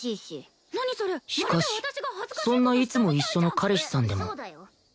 しかしそんないつも一緒の彼氏さんでも